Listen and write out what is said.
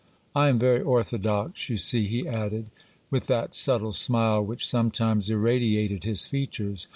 I am very orthodox, you see,' he added, with that subtle smile which sometimes irradiated his features.